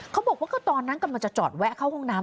เขาบอกว่าก็ตอนนั้นกำลังจะจอดแวะเข้าห้องน้ำ